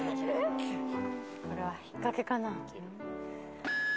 これは引っかけかな？